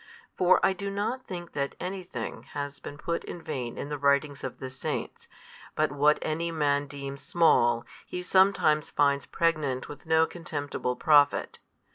For I do not think that any thing has been put in vain in the writings of the saints, but what any man deems small, he sometimes finds pregnant with no contemptible profit.